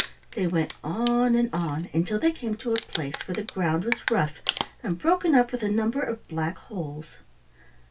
They went on and on, until they came to a place where the ground was rough, and broken up with a number of black holes.